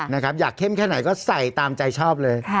นะครับอยากเข้มแค่ไหนก็ใส่ตามใจชอบเลย